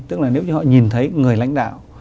tức là nếu như họ nhìn thấy người lãnh đạo